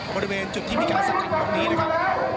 บริเวณจุดที่มีการสกัดตรงนี้นะครับ